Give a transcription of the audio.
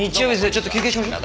ちょっと休憩しましょう。